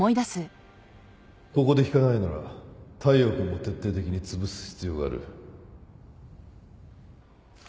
ここで引かないなら大陽君も徹底的につぶす必要がある